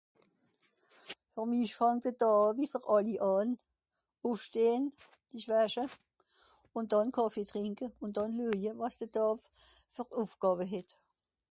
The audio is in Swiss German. Fer mich fàngt de Dàà, wie fer àlli àn. Ùffstehn, sich wäsche, ùn dànn Kàffee trìnke ùn dànn lueje wàs de Dàà fer Ùffgàwe het.